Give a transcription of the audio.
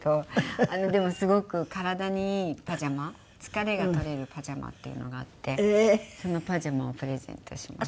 でもすごく体にいいパジャマ疲れが取れるパジャマっていうのがあってそのパジャマをプレゼントしました。